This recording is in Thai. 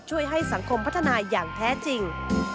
ช่วยให้สังคมพัฒนาอย่างแท้จริง